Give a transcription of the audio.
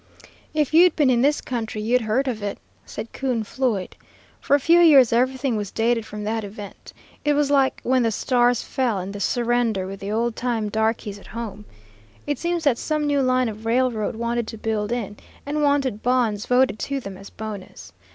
"If you'd been in this country you'd heard of it," said Coon Floyd. "For a few years everything was dated from that event. It was like 'when the stars fell,' and the 'surrender' with the old time darkies at home. It seems that some new line of railroad wanted to build in, and wanted bonds voted to them as bonus.